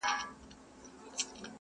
که پر در دي د یار دغه سوال قبلېږي,